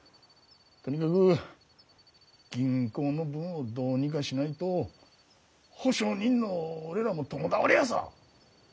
とにかく銀行の分をどうにかしないと保証人の俺らも共倒れヤサ。